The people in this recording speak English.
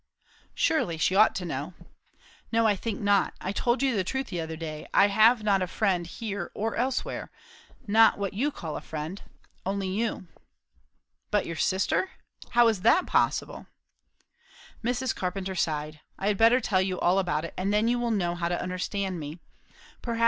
"Surely she ought to know." "No, I think not. I told you the truth the other day. I have not a friend, here or elsewhere. Not what you call a friend. Only you." "But your sister? How is that possible?" Mrs. Carpenter sighed. "I had better tell you all about it, and then you will know how to understand me. Perhaps.